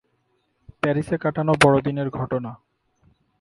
প্যারিসে কাটানো বড়দিনের ঘটনা।